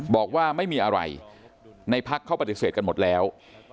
บอกว่าไม่มีอะไรในพักเขาปฏิเสธกันหมดแล้ว